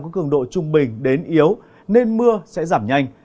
có cường độ trung bình đến yếu nên mưa sẽ giảm nhanh